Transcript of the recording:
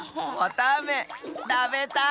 たべたい！